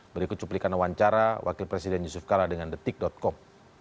berikut cuplikan wawancara wakil presiden yusuf kala dengan detik com